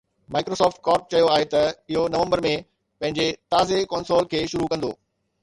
Microsoft Corp چيو آهي ته اهو نومبر ۾ پنهنجي تازي ڪنسول کي شروع ڪندو